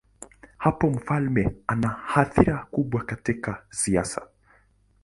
Hapo mfalme hana athira kubwa katika siasa.